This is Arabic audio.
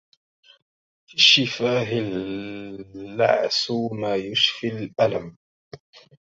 في الشفاه اللعس ما يشفي الألم